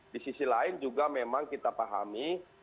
di sisi lain juga memang kita pahami